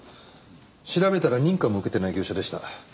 調べたら認可も受けてない業者でした。